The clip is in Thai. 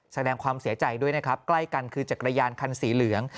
สแดมความเสียใจด้วยกล้ายกันคือจักรยานคันสีเหลือง